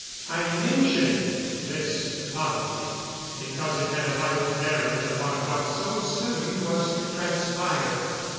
I mention this topography because it had a vital bearing upon what so soon was to transpire.